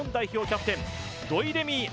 キャプテン土井レミイ